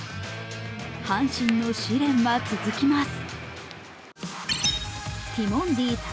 阪神の試練は続きます。